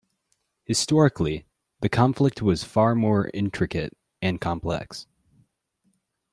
Historically, the conflict was far more intricate and complex.